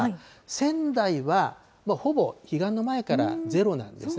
仙台はほぼ彼岸の前から０なんですね。